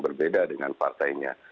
berbeda dengan partainya